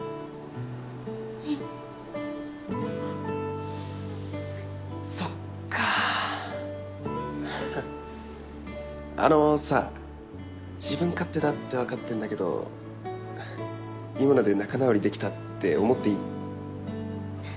うんそっかあのさ自分勝手だって分かってんだけど今ので仲直りできたって思っていい？